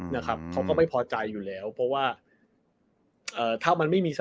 นะครับเขาก็ไม่พอใจอยู่แล้วเพราะว่าเอ่อถ้ามันไม่มี